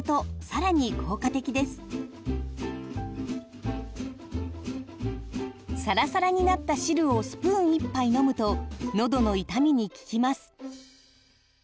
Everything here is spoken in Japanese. さらさらになった汁をスプーン１杯飲むとのどの痛みに効きます。